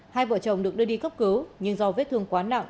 hai vợ chồng được đưa đi cấp cứu nhưng do vết thương quá nặng